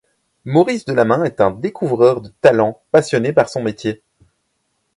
Maurice Delamain est un découvreur de talents, passionné par son métier.